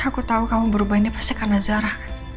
aku tahu kamu berubahin dia pasti karena zara